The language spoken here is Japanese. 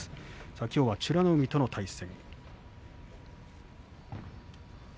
きょうは美ノ海との対戦。